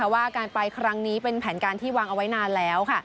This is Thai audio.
ว่าการไปครั้งนี้เป็นแผนการที่วางเอาไว้นานแล้ว